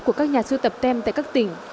của các nhà sưu tập tem tại các tỉnh